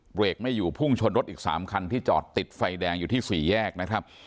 เบรกไม่อยู่พุ่งชนรถอีก๓คันที่จอดติดไฟแดงอยู่ที่สี่แยกนะครับ